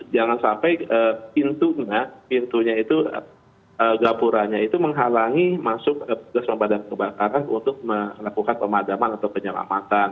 jangan sampai pintunya pintunya itu gapuranya itu menghalangi masuk ke pemadam kebakaran untuk melakukan pemadaman atau penyelamatan